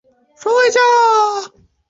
北魏皇始二年。